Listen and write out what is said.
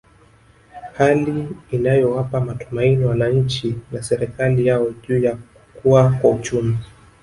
Hali inayowapa matumaini wananchi na serikali yao juu ya kukua kwa uchumi